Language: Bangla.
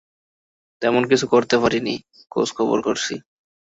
তেমন কিছু করতে পারি নি, খোঁজখবর করছি।